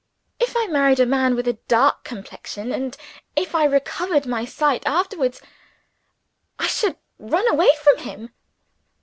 If I married a man with a dark complexion, and if I recovered my sight afterwards, I should run away from him."